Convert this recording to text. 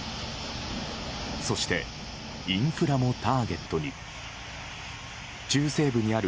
そしてインフラもターゲットに。